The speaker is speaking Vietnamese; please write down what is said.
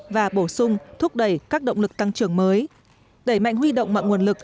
và bổ sung thúc đẩy các động lực tăng trưởng mới đẩy mạnh huy động mọi nguồn lực